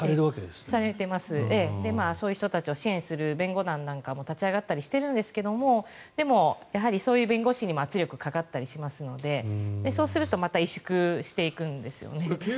そういう人たちを支援する弁護団なんかも立ち上がったりしているんですがでも、やはりそういう弁護士にも圧力がかかったりしますのでそうするとまた萎縮していくんですよね。